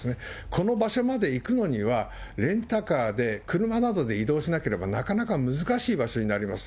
この場所まで行くのには、レンタカーで車などで移動しなければなかなか難しい場所になります。